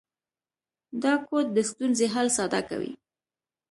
دا کوډ د ستونزې حل ساده کوي.